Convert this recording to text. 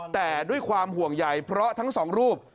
แต่ด้วยความห่วงใหญ่เพราะทั้งสองรูป